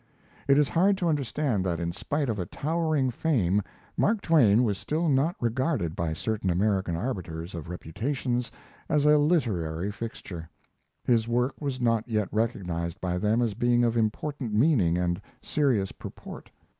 It is hard to understand that in spite of a towering fame Mark Twain was still not regarded by certain American arbiters of reputations as a literary fixture; his work was not yet recognized by them as being of important meaning and serious purport.